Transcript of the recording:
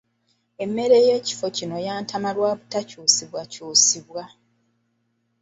Emmere y'ekifo kino yantama lwa butakyusibwa kyusibwa.